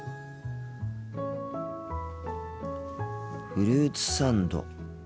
フルーツサンド。